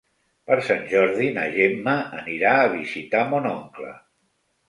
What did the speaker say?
Per Sant Jordi na Gemma anirà a visitar mon oncle.